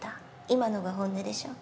今のが本音でしょ。